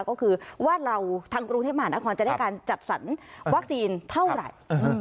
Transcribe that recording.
ก็คือว่าเราทางกรุงเทพมหานครจะได้การจัดสรรวัคซีนเท่าไหร่